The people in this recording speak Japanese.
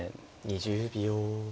２０秒。